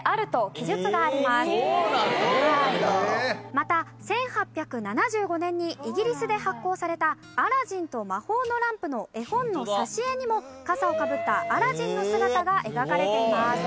また１８７５年にイギリスで発行された『アラジンと魔法のランプ』の絵本の挿絵にも笠をかぶったアラジンの姿が描かれています。